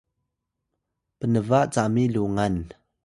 pnba cami lungan